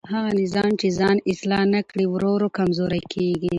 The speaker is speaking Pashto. هغه نظام چې ځان اصلاح نه کړي ورو ورو کمزوری کېږي